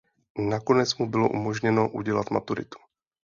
Nakonec mu bylo umožněno udělat maturitu.